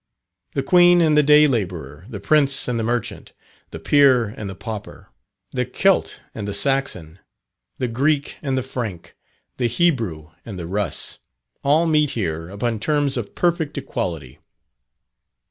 The Queen and the day labourer, the Prince and the merchant, the peer and the pauper, the Celt and the Saxon, the Greek and the Frank, the Hebrew and the Russ, all meet here upon terms of perfect equality.